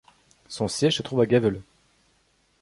Son siège se trouve à Gävle.